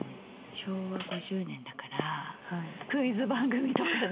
昭和５０年だからクイズ番組とかで。